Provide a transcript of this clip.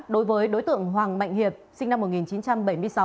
đối với đối tượng hoàng mạnh hiệp sinh năm một nghìn chín trăm bảy mươi sáu